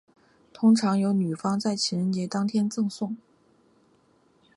通常由女方在情人节当天赠送。